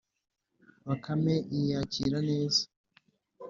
bakame iyakira neza